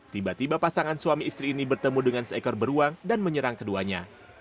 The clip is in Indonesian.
tiba tiba pasangan suami istri ini bertemu dengan seekor beruang dan menyerang keduanya